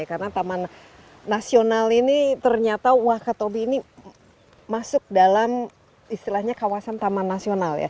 karena taman nasional ini ternyata wakatobi ini masuk dalam istilahnya kawasan taman nasional